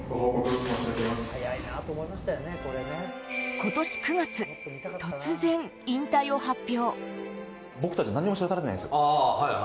今年９月、突然、引退を発表。